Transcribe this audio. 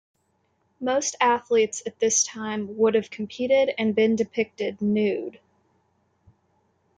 Most athletes at this time would have competed, and been depicted nude.